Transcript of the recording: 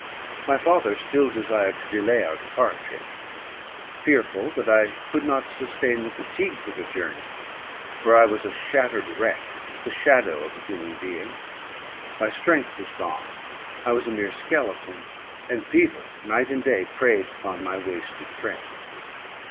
My father still desired to delay our departure, fearful that I could not sustain the fatigues of a journey: for I was a shattered wreck, the shadow of a human being. My strength was gone. I was a mere skeleton; and fever night and day preyed upon my wasted frame.